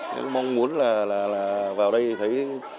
tôi mong muốn là vào đây thấy